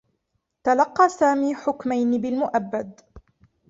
تلقّى سامي حكمين بالمؤبّد.